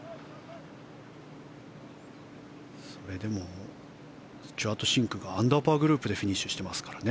それでもスチュワート・シンクがアンダーパーグループでフィニッシュしてますからね。